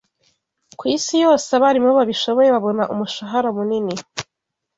Kwisi yose abarimu babishoboye babona umushahara munini